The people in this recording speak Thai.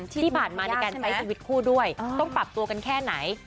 ที่ผ่านมาในการใช้ชีวิตคู่ด้วยต้องปรับตัวกันแค่ไหน